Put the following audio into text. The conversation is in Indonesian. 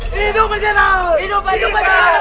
hidup menjelang hidup hidup